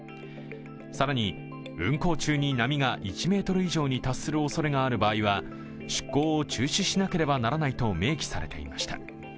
更に運航中に波が１メートル以上に達するおそれがある場合は出航を中止しなければならないと明記されていました。